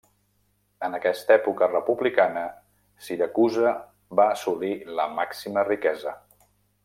En aquesta època republicana Siracusa va assolir la màxima riquesa.